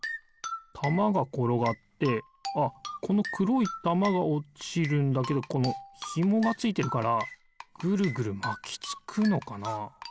たまがころがってああこのくろいたまがおちるんだけどこのひもがついてるからぐるぐるまきつくのかな。